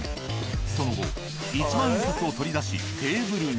その後１万円札を取り出しテーブルに。